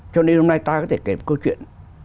cho nên hôm nay ta có thể kể một câu chuyện